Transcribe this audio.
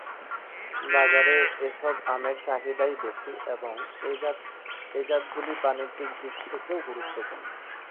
বাজারে এসব আমের চাহিদাই বেশি এবং এ জাতগুলি বাণিজ্যিক দিক থেকেও গুরুত্বপূর্ণ।